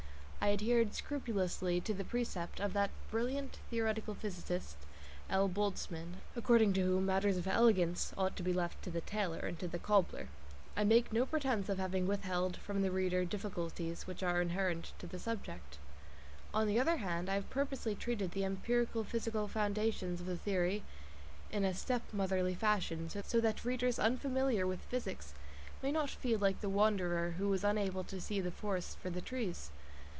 I adhered scrupulously to the precept of that brilliant theoretical physicist L. Boltzmann, according to whom matters of elegance ought to be left to the tailor and to the cobbler. I make no pretence of having withheld from the reader difficulties which are inherent to the subject. On the other hand, I have purposely treated the empirical physical foundations of the theory in a "step motherly" fashion, so that readers unfamiliar with physics may not feel like the wanderer who was unable to see the forest for the trees.